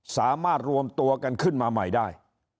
สามารถรวมตัวกันขึ้นมาใหม่ได้